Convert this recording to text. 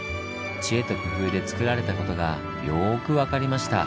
知恵と工夫でつくられたことがよく分かりました。